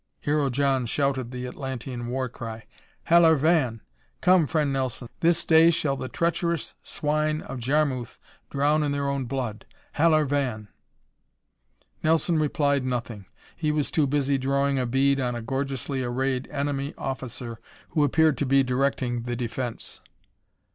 Hero John shouted the Atlantean war cry. "Halor vàn! Come Friend Nelson, this day shall the treacherous swine of Jarmuth drown in their own blood! Halor vàn!" Nelson replied nothing. He was too busy drawing a bead on a gorgeously arrayed enemy officer who appeared to be directing the defence.